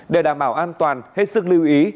để đảm bảo an toàn hết sức lưu ý